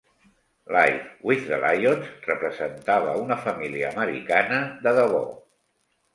'Life with the Lyons' representava una família americana de debò.